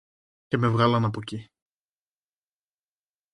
Και με βγάλανε από κει